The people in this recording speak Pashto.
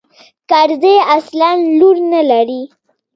کرزى اصلاً لور نه لري.